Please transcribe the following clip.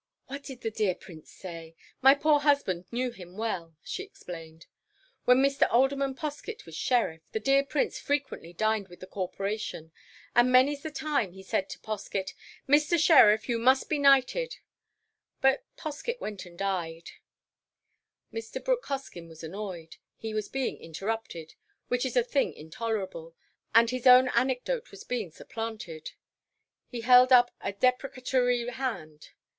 "What did the dear Prince say? My poor husband knew him well," she explained. "When Mr. Alderman Poskett was Sheriff, the dear Prince frequently dined with the Corporation, and many 's the time he said to Poskett, 'Mr. Sheriff, you must be knighted,' but Poskett went and died—" Mr. Brooke Hoskyn was annoyed. He was being interrupted, which is a thing intolerable, and his own anecdote was being supplanted. He held up a deprecatory hand.